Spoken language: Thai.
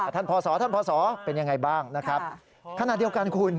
พศท่านพศเป็นยังไงบ้างนะครับขณะเดียวกันคุณ